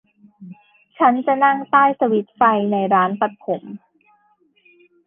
ฉันจะนั่งใต้สวิตช์ไฟในร้านตัดผม